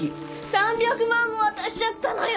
３００万も渡しちゃったのよ！